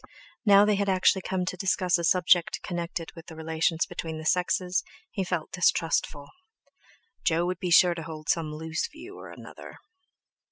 Now they had actually come to discuss a subject connected with the relations between the sexes he felt distrustful. Jo would be sure to hold some loose view or other.